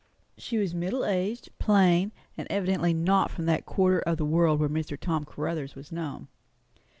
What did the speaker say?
She was middle aged, plain, and evidently not from that quarter of the world where Mr. Tom Caruthers was known.